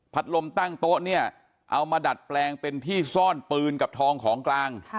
ลมตั้งโต๊ะเนี่ยเอามาดัดแปลงเป็นที่ซ่อนปืนกับทองของกลาง